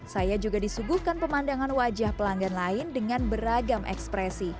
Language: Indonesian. saya juga disuguhkan pemandangan wajah pelanggan lain dengan beragam ekspresi